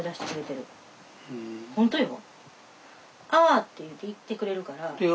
「あ」って言って行ってくれるから。